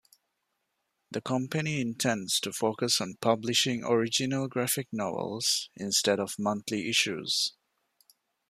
The company intends to focus on publishing original graphic novels instead of monthly issues.